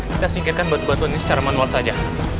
kita singkirkan batu batuan ini secara manual saja